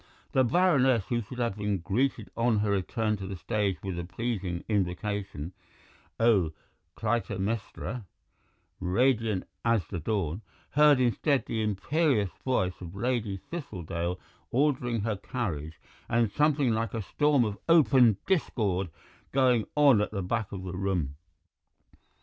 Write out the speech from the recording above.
The Baroness, who should have been greeted on her return to the stage with the pleasing invocation, "Oh, Clytemnestra, radiant as the dawn," heard instead the imperious voice of Lady Thistledale ordering her carriage, and something like a storm of open discord going on at the back of the room.